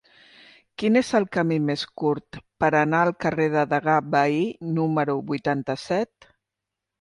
Quin és el camí més curt per anar al carrer del Degà Bahí número vuitanta-set?